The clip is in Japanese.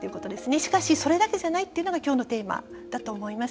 しかしそれだけじゃないというのがきょうのテーマだと思います。